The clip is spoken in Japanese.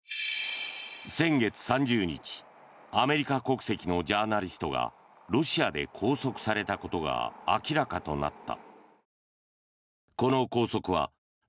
先月３０日アメリカ国籍のジャーナリストがロシアで拘束されたことが明らかとなった。